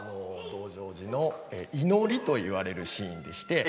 「道成寺」の祈りと言われるシーンです。